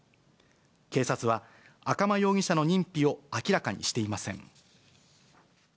警察は、赤間容疑者の認否を明らかにしていません。